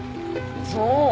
そう。